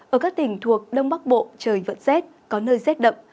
ở các tỉnh thuộc đông bắc bộ trời vẫn rét có nơi rét đậm